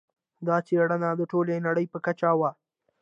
دا څېړنه د ټولې نړۍ په کچه وه.